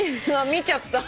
見ちゃった。